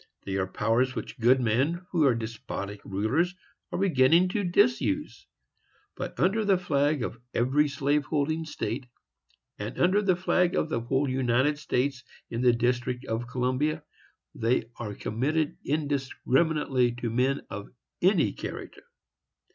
They are powers which good men who are despotic rulers are beginning to disuse; but, under the flag of every slave holding state, and under the flag of the whole United States in the District of Columbia, they are committed indiscriminately to men of any character.